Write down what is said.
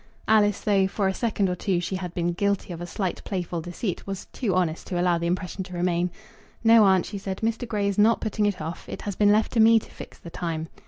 Alice, though for a second or two she had been guilty of a slight playful deceit, was too honest to allow the impression to remain. "No, aunt," she said; "Mr. Grey is not putting it off. It has been left to me to fix the time."